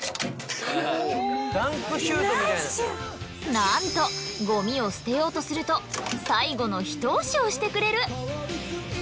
なんとゴミを捨てようとすると最後のひと押しをしてくれる。